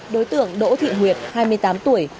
đối tượng đỗ thị nguyệt hai mươi tám tuổi